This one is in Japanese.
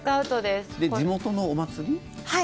地元のお祭り。